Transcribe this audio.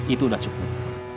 itu udah cukup